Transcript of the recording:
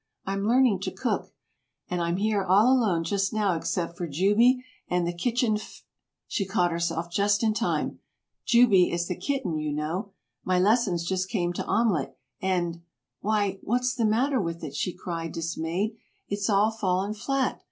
I'm learning to cook. My mother's away and I'm here all alone just now except for Jubey and the Kitchen F (she caught herself just in time). Jubey is the kitten, you know. My lessons just came to Omelet, and why, what's the matter with it?" she cried, dismayed. "It's all fallen flat!